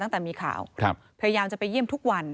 ตั้งแต่มีข่าวพยายามจะไปเยี่ยมทุกวัน